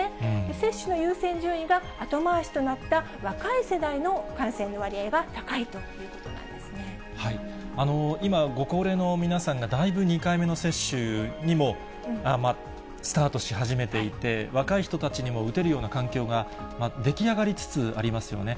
接種の優先順位が後回しとなった若い世代の感染の割合が高いとい今、ご高齢の皆さんがだいぶ２回目の接種にもスタートし始めていて、若い人たちにも打てるような環境が出来上がりつつありますよね。